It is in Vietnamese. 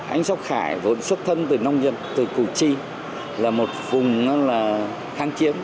anh sốc khải vốn xuất thân từ nông nhật từ củ chi là một vùng kháng chiến